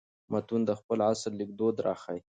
متون د خپل عصر لیکدود راښيي.